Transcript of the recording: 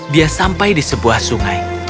dia sampai di sebuah sungai